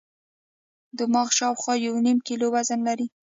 دماغ شاوخوا یو نیم کیلو وزن لري.